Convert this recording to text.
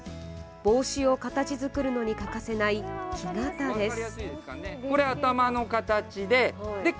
帽子を形作るのに欠かせない木型です。